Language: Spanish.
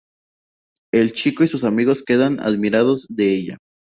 El chico y sus amigos quedan admirados de ella.